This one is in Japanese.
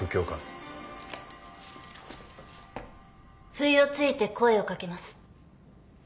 不意をついて声を掛けます。